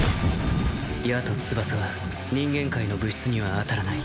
矢と翼は人間界の物質には当たらない